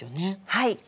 はい。